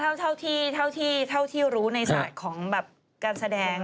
อันนี้นะเท่าที่รู้ในสถานีของการแสดง